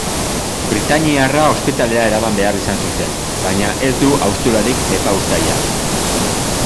Britainiarra ospitalera eraman behar izan zuten, baina ez du hausturarik lepauztaia.